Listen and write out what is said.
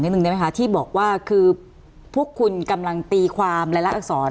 นิดนึงได้มั้ยคะที่บอกว่าคือพวกคุณกำลังตีความอะไรลักษณ์สอน